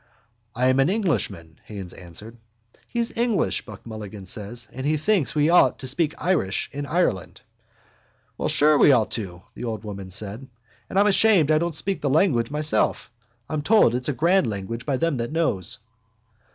—I am an Englishman, Haines answered. —He's English, Buck Mulligan said, and he thinks we ought to speak Irish in Ireland. —Sure we ought to, the old woman said, and I'm ashamed I don't speak the language myself. I'm told it's a grand language by them that knows.